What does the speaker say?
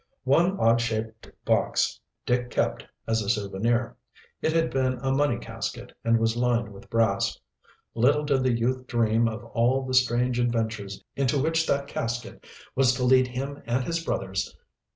One odd shaped box Dick kept as a souvenir. It had been a money casket and was lined with brass. Little did the youth dream of all the strange adventures into which that casket was to lead him and his brothers.